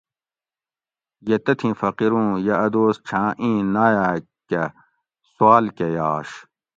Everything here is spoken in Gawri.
یہ تتھیں فقیر اُوں یہ اۤ دوس چھاۤں اِیں ناۤیاۤک کہ سواۤل کہ یاش